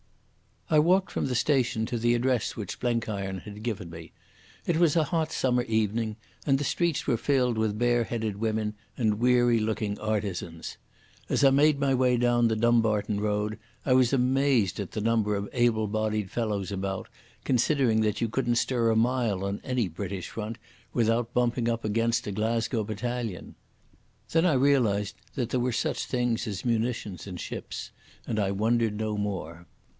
I walked from the station to the address which Blenkiron had given me. It was a hot summer evening, and the streets were filled with bareheaded women and weary looking artisans. As I made my way down the Dumbarton Road I was amazed at the number of able bodied fellows about, considering that you couldn't stir a mile on any British front without bumping up against a Glasgow battalion. Then I realised that there were such things as munitions and ships, and I wondered no more.